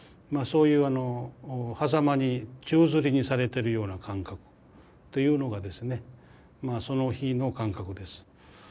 そういうはざまに宙づりにされてるような感覚というのがですねその日の感覚です。